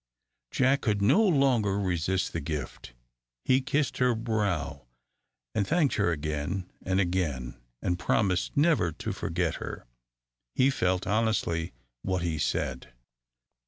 Jack could no longer resist the gift. He kissed her brow and thanked her again and again, and promised never to forget her. He felt honestly what he said.